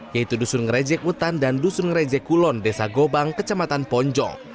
yaitu dusun ngerejek mutan dan dusun ngerejek kulon desa gobang kecamatan ponjong